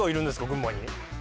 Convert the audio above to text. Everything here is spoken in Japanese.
群馬に。